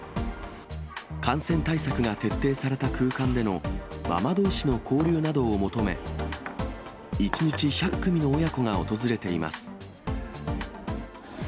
感染対策が徹底された空間でのママどうしの交流などを求め、１日１００組の親子が訪れています。